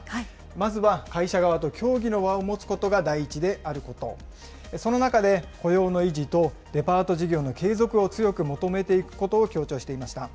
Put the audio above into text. まずは会社側と協議の場を持つことが第一であること、その中で、雇用の維持と、デパート事業の継続を強く求めていくことを強調していました。